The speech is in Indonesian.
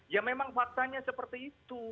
ya memang faktanya seperti itu